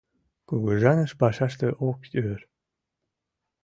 Кугыжаныш пашаште ок ӧр.